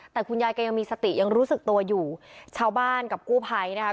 แต่คุณยายแกยังมีสติยังรู้สึกตัวอยู่ชาวบ้านกับกู้ภัยนะคะ